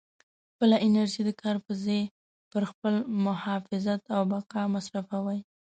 خپله انرژي د کار په ځای پر خپل محافظت او بقا مصروفوئ.